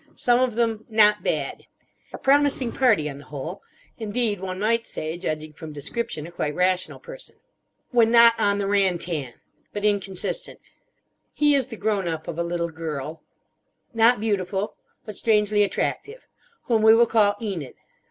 Some of them not bad." A promising party, on the whole. Indeed, one might say, judging from description, a quite rational person: "When not on the rantan. But inconsistent." He is the grown up of a little girl: "Not beautiful. But strangely attractive. Whom we will call Enid."